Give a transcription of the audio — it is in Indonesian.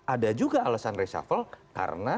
ada juga alasan reshuffle karena